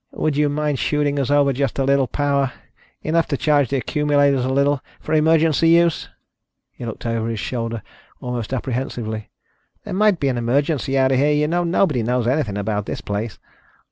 Would you mind shooting us over just a little power? Enough to charge the accumulators a little for emergency use." He looked over his shoulder, almost apprehensively. "There might be an emergency out here, you know. Nobody knows anything about this place."